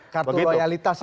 kartu loyalitas itu